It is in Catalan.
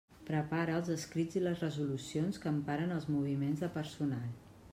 Prepara els escrits i les resolucions que emparen els moviments de personal.